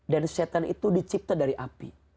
dan syetan itu dicipta dari api